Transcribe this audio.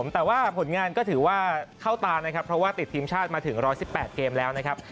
แต่ว่าผลงานก็ถือว่าเข้าตานะครับเพราะว่าติดทีมชาติมาถึง๑๑๘เกมแล้วนะครับ